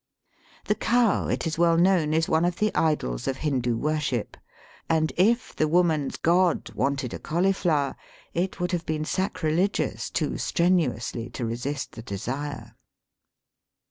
The cow, it is well known, is one of the idols of Hindoo worship, and if the woman's god wanted a cauliflower, it would have been sacrilegious too strenuously to resist the desire.